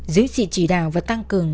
giới sĩ chỉ đạo và tăng cường